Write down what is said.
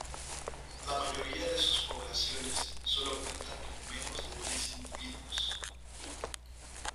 La mayoría de sus poblaciones sólo cuentan con menos de diez individuos.